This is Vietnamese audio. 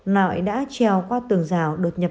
nội đã treo qua tường rào đột nhập